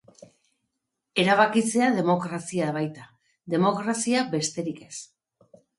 Erabakitzea demokrazia baita, demokrazia besterik ez.